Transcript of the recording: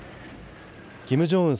キム・ジョンウン